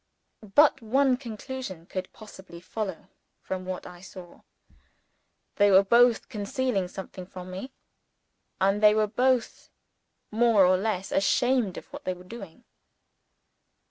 But one conclusion could possibly follow from what I saw: they were both concealing something from me; and they were both more or less ashamed of what they were doing.